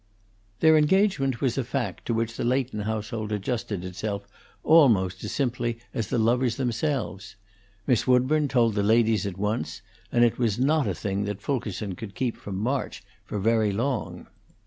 Their engagement was a fact to which the Leighton household adjusted itself almost as simply as the lovers themselves; Miss Woodburn told the ladies at once, and it was not a thing that Fulkerson could keep from March very long.